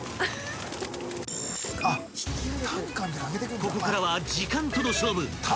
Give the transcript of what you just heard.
［ここからは時間との勝負］